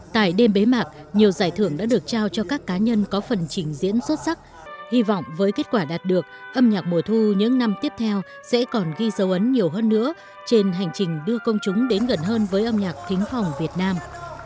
tại đêm bế mạc nhiều giải thưởng đã được trao cho các cá nhân có phần trình diễn xuất sắc hy vọng với kết quả đạt được âm nhạc mùa thu những năm tiếp theo sẽ còn ghi dấu ấn nhiều hơn nữa trên hành trình đưa công chúng đến gần hơn với âm nhạc thính phòng việt nam